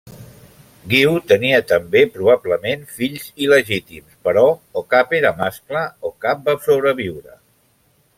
Guiu tenia també probablement fills il·legítims però o cap era mascle o cap va sobreviure.